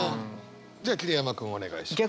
じゃあ桐山君お願いします。